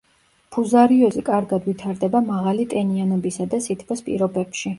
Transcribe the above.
ფუზარიოზი კარგად ვითარდება მაღალი ტენიანობისა და სითბოს პირობებში.